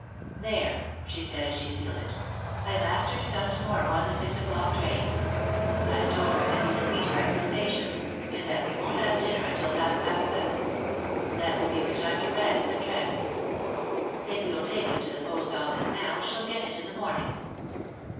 "There," she said, as she sealed it. "I've asked her to come to morrow on the six o'clock train. I've told her that you will meet her at the station, and that we won't have dinner until half past seven. That will give her time to rest and dress. If you'll take it to the post office now, she'll get it in the morning."